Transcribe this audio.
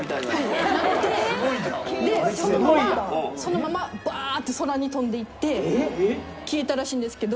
でそのままそのままバーッて空に飛んでいって消えたらしいんですけど。